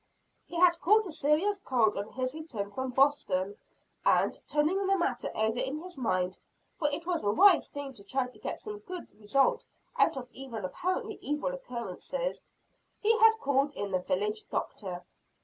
He had caught a serious cold on his return from Boston and, turning the matter over in his mind for it is a wise thing to try to get some good result out of even apparently evil occurrences he had called in the village doctor.